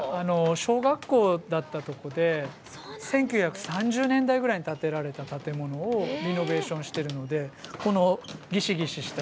小学校だったとこで１９３０年代ぐらいに建てられた建物をリノベーションしてるのでこのギシギシした床も。